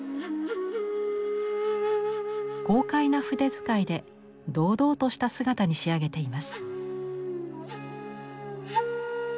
豪快な筆遣いで堂々とした姿に仕上げています。